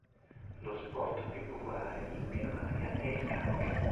Lo sport più popolare in Birmania è il calcio.